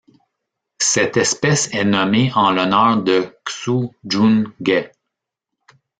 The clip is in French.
Cette espèce est nommée en l'honneur de Xue-jun Ge.